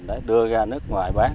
để đưa ra nước ngoài bán